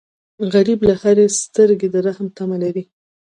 غریب له هرې سترګې د رحم تمه لري